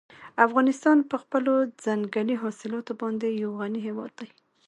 افغانستان په خپلو ځنګلي حاصلاتو باندې یو غني هېواد دی.